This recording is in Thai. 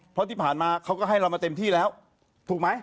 เพราะที่ผ่านมาเขาก็ให้เรามาเต็มที่แล้วถูกไหม